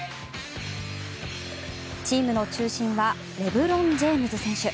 チームの中心はレブロン・ジェームズ選手。